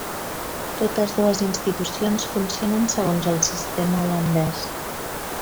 Totes dues institucions funcionen segons el sistema holandès.